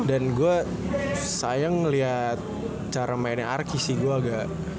dan gue sayang liat cara mainnya arki sih gue agak